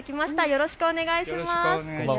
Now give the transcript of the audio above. よろしくお願いします。